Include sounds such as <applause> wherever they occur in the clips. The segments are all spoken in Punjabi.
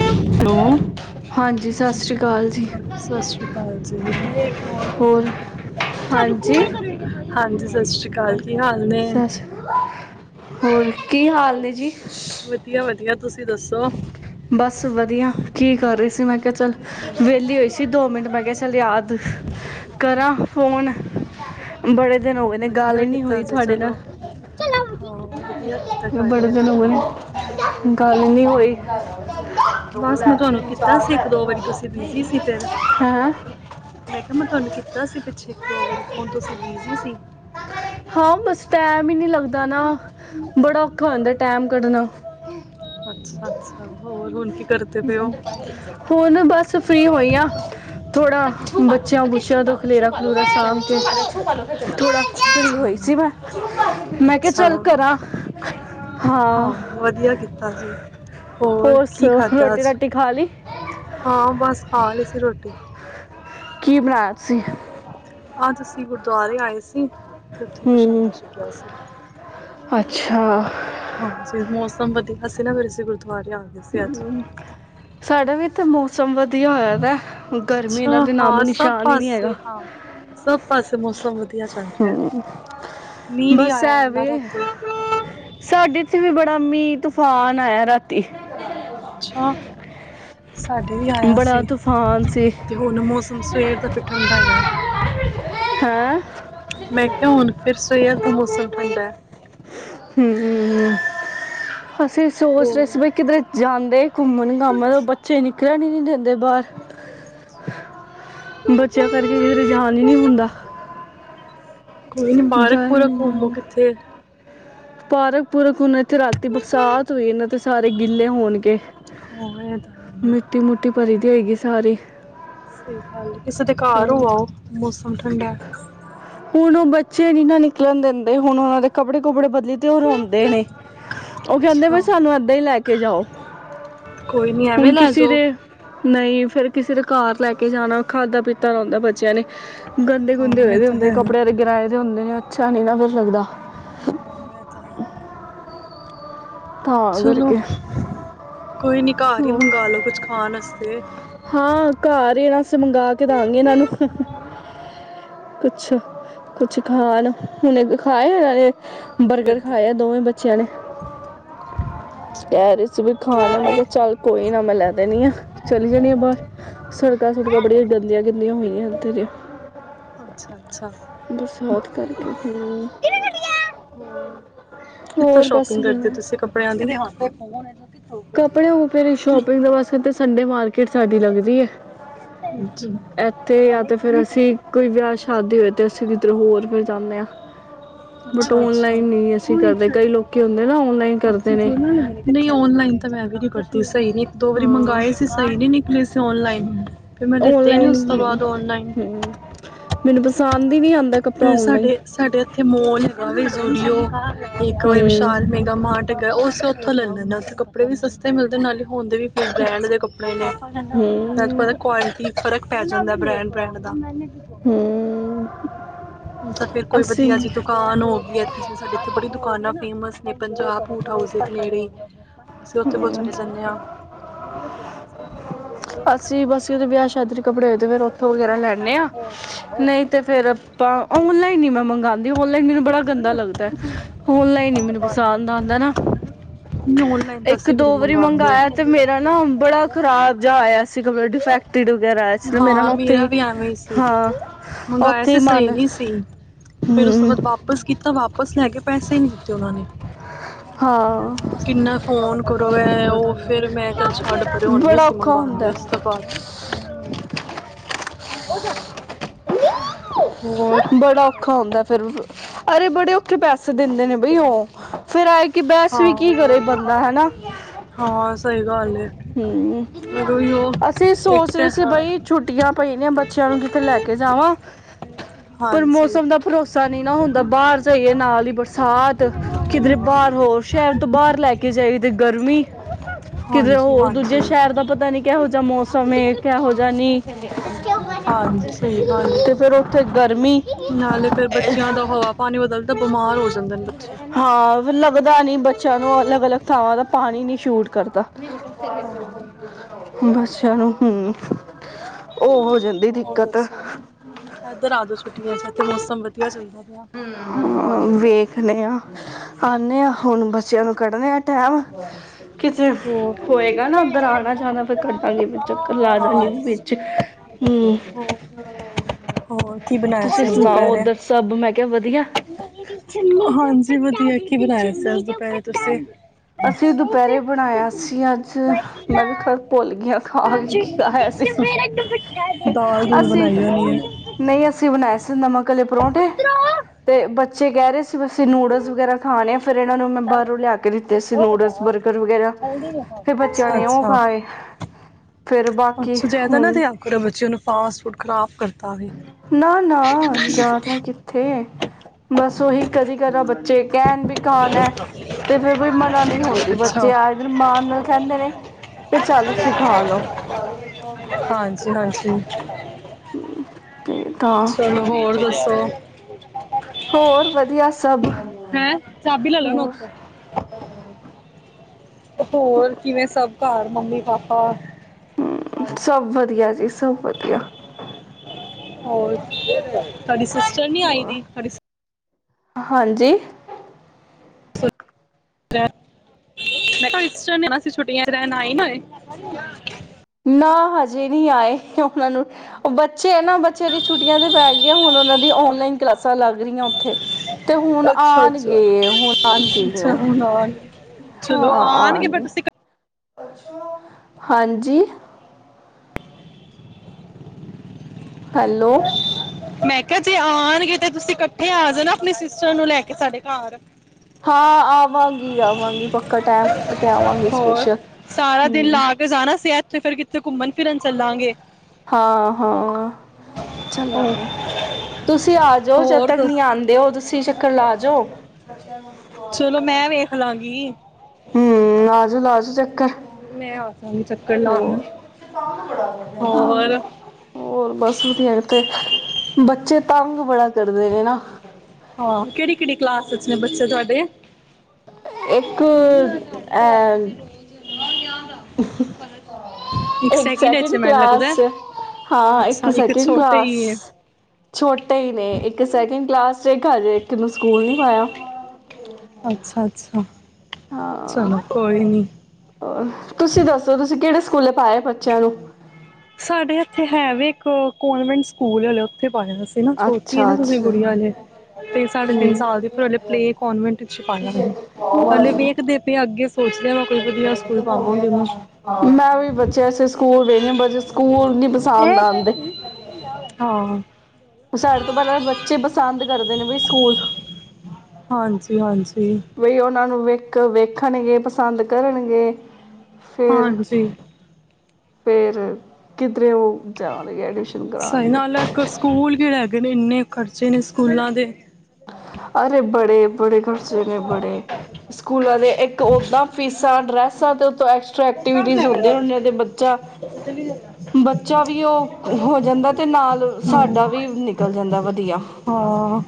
ਹੈਲੋ ਹਾਂਜੀ ਸਤਿ ਸ਼੍ਰੀ ਅਕਾਲ ਜੀ ਸਤਿ ਸ੍ਰੀ ਅਕਾਲ ਜੀ। ਹੋਰ ਹਾਂਜੀ ਹਾਂਜੀ ਸਤਿ ਸ਼੍ਰੀ ਅਕਾਲ। ਕੀ ਹਾਲ ਨੇ? ਸਸ ਹੋਰ ਕੀ ਹਾਲ ਨੇ ਜੀ। ਵਧੀਆ ਵਧੀਆ ਤੁਸੀਂ ਦੱਸੋ। ਓ। ਬਸ ਵਧੀਆ ਕੀ ਕਰ ਰਹੀ ਸੀ ਮੈਂ ਕਿਹਾ ਚੱਲ ਵਿਹਲੀ ਹੋਈ ਸੀ ਦੋ ਮਿੰਟ ਮੈਂ ਕਿਹਾ ਚੱਲ ਯਾਦ ਕਰਾਂ ਫੋਨ ਬੜੇ ਦਿਨ ਹੋ ਗਏ ਨੇ ਗੱਲ ਵਧੀਆ ਹੀ ਨਹੀਂ ਕੀਤਾ ਹੋਈ ਜੇ ਤੁਹਾਡੇ ਨਾਲ ਚਲੋ ਹਾਂ ਵਧੀਆ ਕੀਤਾ ਕਰ ਬੜੇ ਲਿਆ ਦਿਨ ਹੋ ਗਏ ਫੋਨ ਨੇ ਗੱਲ ਨਹੀਂ ਹੋਈ ਹਾਂ। ਬਸ ਮੈਂ ਤੁਹਾਨੂੰ ਕੀਤਾ ਸੀ ਇੱਕ ਦੋ ਵਾਰੀ ਤੁਸੀਂ ਬਿਜੀ ਸੀ ਫਿਰ ਹੈਂ ਮੈਂ ਕਿਹਾ ਮੈਂ ਤੁਹਾਨੂੰ ਕੀਤਾ ਸੀ ਪਿੱਛੇ ਇੱਕ ਦੋ ਵਾਰੀ ਫੋਨ ਤੁਸੀਂ ਬਿਜੀ ਸੀ। ਹਾਂ ਬਸ ਟੈਮ ਈ ਨੀ ਲੱਗ ਟਾਈਮ ਕੱਢਣਾ ਅੱਛਾ ਅੱਛਾ ਹੋਰ ਹੁਣ ਕੀ ਕਰਦੇ ਪਏ ਹੋ? ਹੁਣ ਬਸ ਫ੍ਰਰੀ ਹੋਈ ਆ ਥੋੜਾ ਬੱਚਿਆਂ ਬੁੱਚਿਆਂ ਤੋਂ ਖਲੇਰਾ ਖਲੂਰਾ ਸਾਂਭ ਕੇ ਥੋੜਾ ਅੱਛਾ ਫ੍ਰੀ ਅੱਛਾ, ਹੋਈ ਸੀ ਮੈਂ ਮੈਂ ਕਿਹਾ ਅੱਛਾ ਚੱਲ ਕਰਾਂ ਹਾਂ ਵਧੀਆ ਕੀਤਾ ਜੀ। ਹੋਰ ਕੀ ਸੁਣਾਓ, ਖਾਧਾ ਰੋਟੀ ਅੱਜ, ਰਾਟੀ ਖਾ ਲਈ ਹਾਂ ਬਸ ਖਾ ਲਈ ਸੀ ਰੋਟੀ। ਕੀ ਬਣਾਇਆ ਤੁਸੀਂ? ਅੱਜ ਅਸੀ ਗੁਰਦੁਆਰੇ ਆਏ ਸੀ। ਤੇ ਉੱਥੇ ਹੂੰ ਪ੍ਰਸ਼ਾਦਾ ਛਕਿਆ ਸੀ। ਅੱਛਾ। ਸਮ ਵਧੀਆ ਸੀ ਨਾ ਫਿਰ ਅਸੀ ਗੁਰ ਸਾਡੇ ਵੀ ਤੇ ਮੌਸਮ ਵਧੀਆ ਹੋਇਆ ਵਾ ਅੱਛਾ ਹਾਂ ਸਭ ਪਾਸੇ ਹਾਂ ਸਭ ਪਾਸੇ ਮੌਸਮ ਵਧੀਆ ਚੱਲ ਰਿਹਾ ਮੀਂਹ ਵੀ ਬਸ ਆਇਆ ਐ ਇੰਨਾ ਵੇ ਰਾਤੀ ਸਾਡੇ ਚ ਵੀ ਬੜਾ ਮੀਂਹ ਤੂਫਾਨ ਆਇਆ ਰਾਤੀ। ਅੱਛਾ। ਸਾਡੇ ਵੀ ਆਇਆ ਬੜਾ ਸੀ ਤੂਫਾਨ ਸੀ ਤੇ ਹੁਣ ਮੌਸਮ ਸਵੇਰ ਦਾ ਫਿਰ ਠੰਡਾ ਹੈਗਾ। ਹੈਂ ਮੈਂ ਕਿਹਾ ਹੁਣ ਫਿਰ ਸਵੇਰ ਦਾ ਮੋਸਮ ਠੰਡਾ ਐ। ਹੂੰ ਹੂੰ ਹੂੰ। ਅਸੀਂ ਸੋਚ ਰਹੇ ਹੋਰ ਸੀ ਵੀ ਕਿਧਰੇ ਜਾਂਦੇ ਘੁੰਮਣ ਘਾਮਣ ਬੱਚੇ ਨ ਨਿਕਲਣ ਨਹੀਂ ਦਿੰਦੇ ਬਾਹਰ ਬੱਚਿਆਂ ਕਰਕੇ ਕਿਧਰੇ ਜਾਣ ਹੀ ਨੀ ਹੁੰਦਾ ਕੋਈ ਨੀ ਪਾਰਕ ਜਾਇਆ ਹੀ ਨਹੀਂ ਪੂਰਕ ਘੁੰਮੋ ਜਾਂਦਾ ਕਿੱਥੇ ਪਾਰਕ ਪੂਰਕ ਹੁਣ ਇੱਥੇ ਰਾਤੀ ਬਰਸਾਤ ਹੋਈ ਆ ਨਾ ਤੇ ਸਾਰੇ ਗਿੱਲੇ ਹੋਣਗੇ ਹਾਂ ਇਹ ਤਾਂ ਹੈ ਹੀ। ਮਿੱਟੀ ਮੂਟੀ ਭਰੀ ਹਹੋਏ ਗਈ ਸਾਰੀ ਸਤਿ ਸ਼੍ਰੀ ਅਕਾਲ ਜੀ ਕਿਸੇ ਦੇ ਤਾਂ ਘਰ ਹੋ <inaudible> ਹੁਣ ਠੰਡਾ। ਹੁਣ ਉਹ ਬੱਚੇ ਨੀ ਨਾ ਨਿਕਲਣ ਦਿੰਦੇ ਹੁਣ ਉਹਨਾਂ ਦੇ ਕੱਪੜੇ-ਕੁੱਪੜੇ ਬਦਲਣੇ ਤੇ ਉਹ ਰੋਂਦੇ ਨੇ ਉਹ ਕਹਿੰਦੇ ਅੱਛਾ, ਬਈ ਸਾਨੂੰ ਏਦਾਂ ਹੀ ਲੈ ਕੇ ਜਾਓ। ਕੋਈ ਨੀ ਐਵੇਂ ਹੁਣ ਲੈ ਕਿਸੇ ਜਾਓ। ਦੇ, ਦੇ ਨਹੀਂ ਫੇਰ ਕਿਸੇ ਦੇ ਘਰ ਲੈ ਕੇ ਜਾਣਾ ਖਾਧਾ-ਪੀਤਾ ਰਹਿੰਦਾ ਬੱਚਿਆਂ ਨੇ। ਹਾਂ ਗੰਦੇ-ਗੁੰਦੇ ਹੋਏ ਇਹ ਦੇ ਤਾਂ ਹੁੰਦੇ ਹੈ। ਕਪੜਿਆਂ ਦੇ ਗਿਰਾਏ ਦੇ ਹੁੰਦੇ ਨੇ। ਅੱਛਾ ਨੀ ਨਾ ਫੇਰ ਲੱਗਦਾ। ਹਾਂ ਇਹ ਤਾਂ ਹੈ। ਤਾਂ ਚਲੋ, ਕਰਕੇ ਕੋਈ ਨੀ ਘਰ ਹੀ ਹੋਰ ਮੰਗਾ ਲਓ ਕੁਛ ਖਾਣ ਆਸਤੇ। ਹਾਂ ਘਰ ਇਹ ਨਾ ਅਸੀਂ ਮੰਗਵਾ ਕੇ ਦਾਂਗੇ ਇਹਨਾਂ ਨੂੰ। ਕੁਛ, ਕੁਛ ਖਾਣ ਹੁਣ ਖਾਏ ਆਏ। ਬਰਗਰ ਕਰਦੇ ਪਏ ਖਾਇਆ ਦੋਵੇਂ ਬੱਚਿਆਂ ਨੇ। ਕਹਿ ਰਹੀ ਸੀ ਵੀ ਖਾਣਾ ਮੈਂ ਕਿਹਾ ਚੱਲ ਕੋਈ ਨਾ ਮੈਂ ਲੈ ਦਿੰਨੀ ਆ, ਚਲੀ ਜਾਣੀ ਆ ਬਾਹਰ। ਅੱਛਾ, ਸੜਕਾਂ-ਸੁੜਕਾਂ ਬੜੀਆਂ ਗੰਦੀਆਂ-ਗੰਦੀਆਂ ਹੋਈਆਂ ਇਥੇ ਜੇ, ਅੱਛਾ, ਅੱਛਾ ਬਰਸਾਤ ਕਰਕੇ ਹੂੰ। ਹੋਰ, ਕਿੱਥੋਂ ਹੋਰ ਬਸ ਸ਼ੋਪਿੰਗ ਕਰਦੇ ਤੁਸੀਂ ਕੱਪ ੜਿਆਂ ਦੀ? ਕੱਪੜੇ ਉਹ ਫਿਰ ਸ਼ੋਪਿੰਗ ਦੇ ਵਾਸਤੇ ਤਾਂ ਸੰਡੇ ਮਾਰ ਕੀਟ ਸਾਡੀ ਲੱਗਦੀ ਹੈ। ਇੱਥੇ ਜਾਂ ਤੇ ਫੇਰ ਅਸੀਂ ਕੋਈ ਵਿਆਹ ਸ਼ਾਦੀ ਹੋਏ ਤੇ ਅਸੀਂ ਇੱਧਰ ਹੋਰ ਫਿਰ ਜਾਂਨੇ ਆ। ਅੱਛਾ-ਅੱਛਾ ਕਰਦੇ ਕਈ ਲੋਕੀ ਹੁੰਦੇ ਨਾ ਔਨਲਾਈਨ ਕਰਦੇ ਨੇ <unintelligible> ਨਹੀ ਔਨਲਾਈਨ ਤਾਂ ਮੈਂ ਵੀ ਨੀ ਕਰਦੀ ਸਹੀ ਨੀ ਇੱਕ-ਦੋ ਵਾਰੀ ਹਾਂ ਮੰਗਵਾਏ ਸੀ ਸਹੀ ਨੀ ਨਿਕਲੇ ਸੀ ਔਨਲਾਈਨ, ਫਿਰ ਮੈਂ ਲਿਤੇ ਨੀ ਔਨਲਾਈਨ ਉਸ ਤੋਂ ਬਾਅਦ ਔਨਲਾਈਨ। ਹੂੰ ਮੈਨੂੰ ਪਸੰਦ ਹੀ ਨਹੀਂ ਆਂ ਤੇ ਸਾਡੇ ਸਾਡੇ ਇੱਥੇ ਮੋਲ ਹੈਗਾ ਵੇ ਸਟੂਡੀਓ <unintelligible> ਇੱਕ ਵੇ ਇੱਕ ਹੂੰ ਵਿਸ਼ਾਲ ਮੇਗਾ ਮਾਟ ਹੈਗਾ ਉਸ ਤੋਂ ਉੱਥੋਂ ਲੈਂਦੇ ਨੇ ਉੱਥੇ ਕੱਪੜੇ ਵੀ ਸਸਤੇ ਮਿਲਦੇ ਨਾਲ ਹਣ ਦੇ ਵੀ ਬ੍ਰੈਂਡ ਦੇ ਕੱਪ ੜੇ ਨੇ ਜਦ ਹੂੰ ਪਤਾ ਕੁਆਲਟੀ ਫਰਕ ਪੈ ਜਾਂਦਾ ਬ੍ਰੈਂਡ-ਬ੍ਰੈਂਡ ਦਾ। <unintelligible> ਹੂੰ ਤਾਂ ਫੇਰ ਕੋਈ ਵਧੀਆ ਅਸੀਂ ਜੀ ਦੁਕਾਨ ਹੋ ਗਈ ਇੱਥੇ ਸਾਡੇ ਇੱਥੇ ਬੜੀ ਦੁਕਾਨਾਂ ਫੇਮਸ ਨੇ। ਪੰਜਾਬ ਬੂਟ ਹਾਊਸ ਦੇ ਨੇੜੇ ਅਸੀਂ ਉਥੇ ਕੋਲ ਚਲੇ ਜਾਂਦੇ ਹਾਂ ਥੋਂ ਵਗੈਰਾ ਲੈਣੇ ਆ ਨਹੀਂ ਤੇ ਫਿਰ ਆਪਾਂ ਓਨਲਾਈਨ ਹੀ ਮੈਂ ਮੰਗਵਾਉਂਦੀ ਔਨਲਾਈਨ ਮੈਨੂੰ ਬੜਾ ਗੰਦਾ ਲੱਗਦਾ ਔਨਲਾਈਨ ਹੀ ਮੈਨੂੰ ਪਸੰਦ ਆਉਂਦਾ ਨਾ ਨਹੀਂ ਔਨਲਾਈਨ ਤਾਂ ਇੱਕ ਅਸੀਂ ਵੀ ਨਹੀਂ ਦੋ ਵਾਰੀ ਮੰਗਵਾਉਂਦੇ। ਮੰਗਾਇਆ ਤੇ ਮੇਰਾ ਨਾ ਬੜਾ ਖ਼ਰਾਬ ਜਿਹਾ ਆਇਆ ਸੀ ਡਿਫੈਕਟਿਕ ਵਗੈਰਾ ਆਇਆ ਸੀ ਮੇਰਾ ਹਾਂ ਮੇਰਾ ਵੀ ਐਵੇਂ ਹੀ ਸੀ ਹਾਂ ਮੰਗਇਆ ਉੱਥੇ ਹੀ ਸੀ ਸਹੀ ਮਨ ਨਹੀਂ ਸੀ ਫਿਰ ਉਸ ਤੋਂ ਹਮ ਬਾਅਦ ਵਾਪਿਸ ਕੀਤਾ ਵਾਪਿਸ ਲੈ ਕੇ ਪੈਸੇ ਨੀ ਦਿੱਤੇ ਉਹਨਾਂ ਨੇ ਹਾਂ ਕਿੰਨਾ ਫੋਨ ਕਰੋ ਉਹ ਫਿਰ ਮੈਂ ਕਿਹਾ ਤੁਹਾਡ ਭਰੇ ਹੋ ਨ ਬੜਾ ਅਸੀਂ ਔਖਾ ਮੰਗਵਾਉਣਦੇ ਹੁੰਦਾ ਉਸ ਤੋਂ ਬਾਅਦ ਹੋਦਾ ਹੋ ਬੜਾ ਔਖਾ ਹੁੰਦਾ ਫਿਰ ਅਰੇ ਬੜੇ ਔਖੇ ਪੈਸੇ ਦਿੰਦੇ ਨੇ ਬਈ ਉਹ ਫਿਰ ਆਏ ਕਿ ਬੈਸ ਵੀ ਕੀ ਕਰੇ ਬੰਦਾ ਹਨਾ ਹਾਂ ਸਹੀ ਗੱਲ ਹੈ ਹਮ ਪਏ ਨੇ ਬੱਚਿਆਂ ਨੂੰ ਕਿਤੇ ਲੈ ਕੇ ਕੇ ਜਾਵਾਂ ਪਰ ਹਾਂਜੀ, ਮੌਸਮ ਦਾ ਭਰੋਸਾ ਨ ਨਾ ਹੁੰਦਾ ਬਾਹਰ ਜਾਈਏ ਨਾਲ ਹੀ ਬਰਸਾਤ ਕਿਧਰੇ ਬਾਹਰ ਹੋਰ ਸ਼ਹਿਰ ਤੋਂ ਬਾਹਰ ਲੈ ਕੇ ਜਾਈ ਤੇ ਗਰਮੀ ਕਿਧਰੇ ਹੋਰ ਦੂਜੇ ਹਾਂਜੀ, ਸ਼ਹਿਰ ਦਾ ਪਤਾ ਨੀ ਕਿਹੋ ਜਿਹਾ ਮੌਸਮ ਕਿਹੋ ਜਿਹਾ ਨੀ ਬ ਗੱਲ ਤੇ ਗਰਮੀ ਤਾਂ ਬਿਮਾਰ ਹੋ ਜਾਂਦੇ ਨੇ ਬੱਚੇ। ਹਾਂ ਲੱਗਦਾ ਨੀ ਬੱਚਿਆਂ ਨੂੰ ਅਲੱਗ ਅਲੱਗ ਥਾਵਾਂ ਦਾ ਪਾਣੀ ਨੀ ਸ਼ੂਟ ਕਰਦਾ ਬੱਚਿਆਂ ਨੂੰ ਹੂੰ ਉਹ ਹੋ ਜਾਂਦੀ ਹੋਰ ਦਿੱਕਤ ਦੱਸੋ ਇਧਰ ਆ ਜਾਓ ਛੁੱਟੀਆਂ ਚ ਤੇ ਮੌਸਮ ਵਧੀਆ ਚੱਲਦਾ ਪਿਆ ਇਧਰ ਆ ਜੋ ਆਉਂਦੇ ਹਾਂ ਹੁਣ ਬ ਬੱਚਿਆਂ ਨੂੰ ਕੱਢਣੇ ਆ ਟੈਮ ਕਿਤੇੇ,,, ਹੋਰ ਹੋਏਗਾ ਨਾ ਉੱਧਰ ਆਣਾ ਜਾਣਾ ਫਿਰ ਕੱਢਾਂਗੇ ਫ ਚੱਕਰ ਲਾ ਹਾਂ। ਜਾਗੀ ਵਿੱਚ ਹਮ,,,,,,, ਹੋਰ, ਹੋਰ ਕੀ ਬਣਾਇਆ ਤੁਸੀਂ ਸੁਣਾਓ ਉੱਧਰ ਸਭ ਮੈਂ, ਵਧੀਆ <unintelligible> ਜੀ ਵਧੀਆ ਕੀ ਬਣਾਇਆ ਸੀ ਦੁਪਹਿਰੇ ਤੁਸੀਂ? ਅਸੀਂ ਦੁਪਹਿਰੇ ਬਣਾਇਆ ਸੀ ਅੱਜ ਮੈਂ ਵੀ ਖਾ ਕੇ ਭੁੱਲ ਗਈ ਖਾ ਕੇ ਕੀ ਖਾਯਾ ਸੀ,,,,, ਦਾਲ ਦੂਲ ਅਸੀਂ ਬਣਾਈ ਹੋਣੀ ਹੈ ਨਹੀਂ ਅਸੀਂ ਬਣਾਇਆ, ਨਮਕ, ਕਲੇ ਪਰੌਂਠੇ,,,, ਤੇ ਬੱਚੇ, ਬੱਚੇ ਕਹਿ ਰਹੇ ਸੀ ਅਸੀਂ ਨੂਡਲ ਵਗੈਰਾ ਖਾਣੇ,, ਫ਼ਿਰ ਇਹਨਾਂ ਨੂੰ ਮੈਂ ਬਾਹਰੋਂ ਲਿਆ ਕੇ ਦਿੱਤੇ, ਸੀ ਨੂਡਲਸ ਬਰਗਰ ਵਗੈਰਾ,,,, ਫਿਰ ਬੱਚਿਆਂ ਅੱਛਾ ਨੇ ਉਹ ਅੱਛਾ ਖਾਏ, ਫਿਰ ਬਾਕੀ ਅੱਛਾ ਜਾਇਦਾ ਨਾ ਹੁਣ ਦਿਆਂ ਕਰੋ ਬੱਚਿਆਂ ਨੂੰ, ਫਾਸਟ ਫੂਡ ਖਰਾਬ ਕਰਦੇ, ਨਾ -ਨਾ ਜ਼ਿਆਦਾ ਕਿੱਥੇ? ਬਸ ਉਹੀ, ਕਦੀ ਕਦਾ ਬੱਚੇ ਕਹਿਣ ਵੀ ਖਾਣਾ ਹੈ, ਤੇ ਫੇਰ ਵੀ ਮਨਾ ਨਹੀ ਹੁੰਦੀ ਅੱਛਾ ਬੱਚੇ ਆ ਦਿਨ ਮਾਣ ਨਾਲ ਕਹਿੰਦੇ ਨੇ, ਵੀ ਚੱਲ ਖਾ ਲੋ ਹਾਂਜੀ ਹਾਂਜੀ <inaudible> ਚਲੋ ਹੋਰ ਦੱਸੋ, <inaudible> ਹੋਰ ਵਧੀਆ ਸਭ ਹੈਂ, ਚਾਬੀ ਲੈ ਲੈਣਾ ਹੋਰ ਉਥੋਂ। ਹੋਰ ਕਿਵੇਂ ਸਭ ਘਰ? Mummy -papa? ਸਭ ਵਧੀਆ ਜੀ, ਸਭ ਵਧੀਆ। ਹੋਰ, ਤੁਹਾਡੀ ਸੇ - ਸਿਸਟਰ ਨਹੀਂ ਆਈ ਹੋਰ ਵੀ ਹਾਂਜੀ ਮੈਂ ਕਿਹਾ ਤੁਹਾਡੀ ਸਿਸਟਰ ਨੇ ਆਉਣਾ ਸੀ ਛੁਟਿਆ ਚ ਰਹਿਣ, ਆਯੀ ਨੀਂ ਹਲੇ ਨਾ ਹਜੇ ਨਹੀਂ ਆਏ ਉਹਨਾਂ ਨੂੰ ਉਹ ਬੱਚੇ ਨਾ ਬੱਚੇ ਦੀ ਛੁੱਟੀਆਂ ਤੇ ਪੈ ਗਈ ਹੁਣ ਉਹਨਾਂ ਦੀ ਓਨਲਾਈਨ ਕਲਾਸਾਂ ਲੱਗ ਰਹੀਆਂ ਉੱਥੇ ਤੇ ਹੁਣ ਅੱਛਾ ਅੱਛਾ ਆਉਣਗੇ ਹੁਣ ਆਉਣਗੇ ਅੱਛਾ ਉਹ, ਹੁਣ ਆਉਣ- ਚਲੋ ਆਉਣਗੇ ਫੇਰ ਤੁਸੀਂ ਇਕੱਠੇ ਹਾਂਜੀ ਹੈਲੋ ਮੈਂ ਕਿਹਾ ਜੇ ਆਉਣਗੇ ਤੇ ਤੁਸੀਂ ਇਕੱਠੇ ਆ ਜਾਣਾ, ਆਪਣੇ ਸਿਸਟਰ ਨੂੰ ਲੈ ਕੇ ਸਾਡੇ ਘਰ। ਹਾਂ ਆਵਾਂਗੀ- ਆਵਾਂਗੀ ਪੱਕਾ ਟੈਮ ਕਰਕੇ ਆਵਾਂਗੀ ਹੋਰ ਸਪੇਸ਼ਲ ਸਾਰਾ ਦਿਨ ਹਮ ਲਾ ਕੇ ਜਾਣਾ ਸੀ ਇੱਥੇ ਫਿਰ ਕਿੱਥੇ ਘੁੰਮਣ ਫਿਰਨ ਚੱਲਾਂਗੇ ਹਾਂ- ਹਾਂ ਚੱਲਾਂਗੇ, ਹੋਰ- ਤੁਸੀਂ ਆਜਓ ਜਦ ਹੋਰ ਤੱਕ ਨੀ ਦੱਸ ਆਂਦੇ ਹੋ ਤੁਸੀਂ ਚੱਕਰ ਲਾਜੋ। ਚਲੋ ਮੈਂ ਵੇਖ ਲਾਂਗੀ। ਹੂ, ਲਾਜੋ- ਲਾਜੋ ਚੱਕਰ। ਮੈਂ ਆ ਜਾਵਾਂਗੀ ਚੱਕਰ ਲਾਉਣ ਹੋਰ, ਹੋਰ ਹੋਰ ਬਸ ਵਧੀਆ ਬੱਚੇ ਤੰ ਤੰਗ ਬੜਾ ਕਰਦੇ ਨੇ ਨਾ ਹਾਂ, ਕਿਹੜੀ- ਕਿਹੜੀ ਕਲਾਸ ਵਿਚ ਨੇ ਬੱਚੇ ਤੁ ਹਾਡੇ। ਇੱਕ ਮੰਮੀ ਆ ਦਿਹਾੜੀ ਲਵਾ ਕੇ ਤੇ ਅ ਰੋਜ਼ ਆ ਇੱਕ ਸੈਕਿੰਡ ਵਿੱਚ ਹੈ, ਮੈਨੂੰ ਲੱਗਦਾ ਕਲਾਸ ਚ' ਹੈ। ਹਾਂ, ਇੱਕ ਅੱਛਾ ਸੈਕਿੰਡ ਛੋਟੇ ਕਲਾਸ, ਹੀ ਹੈ ਛੋਟੇ ਹੀ ਨੇ ਇੱਕ ਸੈਕਿੰਡ ਕਲਾਸ ਚ ਘਰ ਇੱਕ ਨੂੰ ਸਕੂਲ ਨੀ ਪਾਇਆ, ਅੱਛਾ ਅੱਛਾ। ਹਾਂ, ਚਲੋ ਕੋਈ ਹੋਰ, ਨਹੀਂ ਤੁਸੀਂ ਦੱਸੋ ਤੁਸੀਂ ਕਿਹੜੇ ਸਕੂਲੇ ਪਾਇਆ ਬੱਚਿਆਂ ਨੂੰ ਸਾਡੇ ਇੱਥੇ ਹੈ ਵੀ ਇੱਕ ਕੌਨਵੈਂਟ ਸਕੂਲ ਹੈ ਉੱਥੇ ਪਾਇਆ ਸੀ ਨਾ ਛੋਟੀ ਹੈ ਅੱਛਾ ਨਾ ਕਿਉਕਿ ਅੱਛਾ ਗੁਡੀਆ ਅਜੇ, ਤੇ ਸਾਡੇ ਤਿੰਨ ਹਮ ਸਾਲ ਦੀ ਹਲੇ ਪਲੇਅ ਕਾਨਵੈਂਟ ਚ ਪਾਇਆ, ਹਾਲੇ ਵੇਖਦੇ ਪਏ ਅੱਗੇ ਸੋਚਦੇ ਮੈਂ ਕੋਈ ਵਧੀਆ ਸਕੂਲ ਪਾਵਾਂਗੀ ਉਹਨੂੰ ਮੈਂ ਵੀ ਬੱਚੇ ਐਸੇ ਸਕੂਲ ਵੇਣੇ ਬੱਚੇ ਸਕੂਲ ਨੀ ਪਸੰਦ ਆਂਦੇ, ਹਾਂ ਸਾਡੇ ਤੋਂ ਪਹਿਲਾਂ ਬੱਚੇ ਪਸੰਦ ਕਰਦੇ ਨੇ ਵੀ ਸਕੂਲ ਹਾਂਜੀ, ਹਾਂਜੀ। ਵੀ ਉਹਨਾਂ ਨੂੰ ਵੇਖ ਇੱਕ ਵੇਖਣਗੇ ਪਸੰਦ ਕਰਨਗੇ ਹਾਂਜੀ। ਫੇਰ ਕਿਧਰੇ ਉਹ ਜਾਵੇਗਾ ਇਹਦੇ ਚ ਸਹੀ ਨਾਲ ਅਜਕਲ੍ਹ ਸਕੂਲ ਕਿੜੈ ਲੇਕਿਨ ਇੰਨੇ ਖਰਚੇ ਨੇ ਸਕੂਲਾਂ ਦੇ ਅਰੇ ਬੜੇ ਬੜੇ ਖਰਚੇ ਨੇ ਬੜੇ, ਸਕੂਲਾਂ ਦੇ ਇੱਕ ਓਦਾਂ ਫੀਸਾਂ ਡਰੈਸਾਂ ਤੇ ਐਕਸਟਰਾ ਐਕਟੀਵਿਟੀਜ ਹੁੰਦੀ ਤੇ ਬੱਚਾ, ਬੱਚਾ ਵੀ ਉਹ ਹੋ ਜਾਂਦਾ ਤੇ ਨਾਲ ਹਮ, ਸਾਡਾ ਵੀ ਨਿਕਲ ਜਾਂਦਾ ਵਧੀਆ ਹਾਂ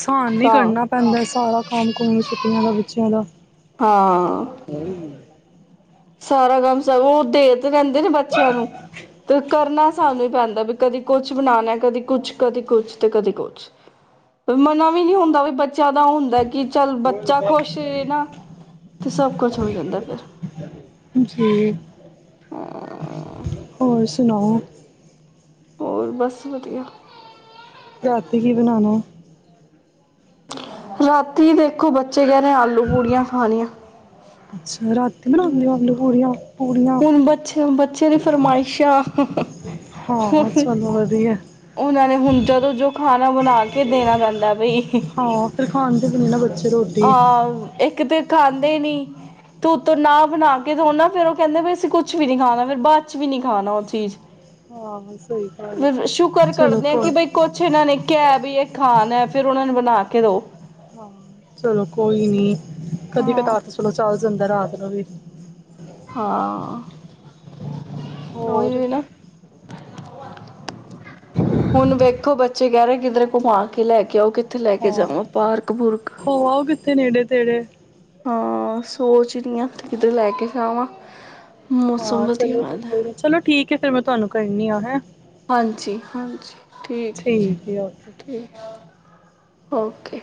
ਸਾਨ ਨੀ ਤਾਂ ਕਰਨਾ ਪੈਂਦਾ ਸਾਰਾ ਕੰਮ ਕੁਮ ਚ, ਛੁਟੀਆਂ ਦਾ ਬੱਚਿਆਂ ਦਾ ਹਾਂ। ਸਾਰਾ ਕੰਮ ਸਗੋ ਉਹ ਤੇ ਕਹਿੰਦੇ ਨੇ ਬੱਚਿਆਂ ਨੂੰ ਤੇ ਕਰਨਾ ਸਾਨੂੰ ਹੀ ਪੈਂਦਾ ਵੀ ਕਦੇ ਕੁਛ ਬਣਾਣਾ ਕਦੀ ਕੁਛ ਕਦੇ ਕੁਛ ਤੇ ਕਦੇ ਕੁਛ ਵੀ ਮਨਾ ਵੀ ਨੀ ਹੁੰਦਾ ਵੀ ਬੱਚਿਆਂ ਦਾ ਹੁੰਦਾ ਕਿ ਚੱਲ ਬੱਚਾ ਖੁਸ਼ ਨਾ ਤੇ ਸਭ ਕੁਛ ਹੋ ਜਾਂਦਾ ਫਿਰ। ਜੀ। ਹਾਂ ਹੋਰ ਸੁਣਾਓ। ਹੋਰ ਬਸ ਵਧੀਆ। ਰਾਤੀ ਕੀ ਬਣਾਉਣਾ। ਰਾਤੀ ਦੇਖੋ ਬੱਚਾ ਬੱਚੇ ਕਹਿ ਰਹੇ ਆਲੂ ਪੂੜੀਆਂ ਖਾਣੀਆਂ। ਬਣਾਦੇ ਓ ਆਲੂ ਪੂੜੀਆ ਹੁਣ ਬੱਚਿਆਂ ਬੱਚਿਆਂ ਦੀ ਫਰਮਾਇਸ਼ਾਂ ਹਾਂ ਹਣ ਚਲੋ ਵਧੀਆ ਉਹਨਾਂ ਨੇ ਹੁਣ ਜਦੋਂ ਜੋ ਖਾਣਾ ਬਣਾ ਕੇ ਕੇ ਦੇਣਾ ਪੈਂਦਾ ਭਈ ਹਾਂ ਫਿਰ ਖਾਂਦੇ ਨੀ ਨਾ ਬੱਚੇ ਰੋਟੀ ਹਾਂ ਇੱਕ ਤੇ ਖਾਂਦੇ ਨੀ ਤੂੰਤ ਨਾ ਬਣਾ ਕੇ ਦਿਓ ਨਾ ਫੇਰ ਕਹਿੰਦੇ ਵੀ ਅਸੀਂ ਕੁੱਛ ਵੀ ਨਹੀਂ ਖਾਣਾ ਫਿਰ ਬਾਅਦ ਚ ਵੀ ਨਹੀਂ ਖਾਣਾ ਉਹ ਚੀਜ਼ ਫ ਸ਼ੁਕਰ ਚਲੋ ਕਰਦੇ ਆ ਕੋ ਕਿ ਬਈ ਕੁਛ ਇਹਨਾਂ ਨੇ ਕਹਿ ਵੀ ਇਹ ਖਾਣ ਹੈ ਫਿਰ ਉਹਨਾਂ ਨੂੰ ਬਣਾ ਕੇ ਦੋ ਚਲੋ ਕੋਈ ਨੀ ਕਦੀ ਹਾਂ ਕਤਾਰ ਤਾਂ ਚਲੋ ਚੱਲ ਜਾਂਦਾ ਰਾਤ ਨੂੰ ਵੀ ਹਾਂ ਉਹੀ ਹੋਰ ਵੀ ਨਾ ਵ ਹੁਣ ਵੇਖੋ ਬੱਚੇ ਕਹਿ ਰਹੇ ਕਿੱਧਰੇ ਘੁੰਮਾ ਕੇ ਲੈ ਕੇ ਆਓ ਕਿ ਹਾਂ ਹੋ ਆਓ ਨੇੜੇ ਤੇੜੇ ਹਾਂ ਸੋਚ ਰਹੀ ਆ ਕਿਤੇ ਲੈ ਕੇ ਜਾਵਾਂ ਮੌਸਮ ਹਾਂ ਵਧੀਆ ਚੱਲੋ ਜੀ ਆਦਾ ਕੋਈ ਨੀ ਚਲੋ ਠੀਕ ਨਹੀਂ ਫੇਰ ਮੈਂ ਤੁਹਾਨੂੰ ਕਹਿਣੀ ਆ ਹੈਂ ਹਾਂਜੀ ਹਾਂਜੀ ਠੀਕ ਹੈ ਜੀ ਠੀਕ ਓਕੇ